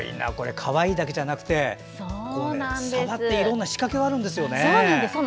かわいいだけじゃなくて触っていろんな仕掛けがあるんですよね。